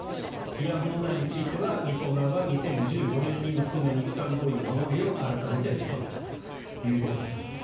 慰安婦問題については日本側は２０１５年に結んだ日韓合意を守るよう改めて求めたということになります。